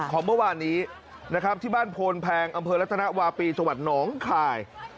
ของเมื่อว่านี้ที่บ้านโพนแพงอำเภอรัตนาวาปีจังหวัดนองข่าย